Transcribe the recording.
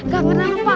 gak pernah nampak